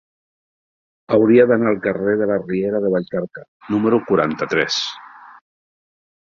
Hauria d'anar al carrer de la Riera de Vallcarca número quaranta-tres.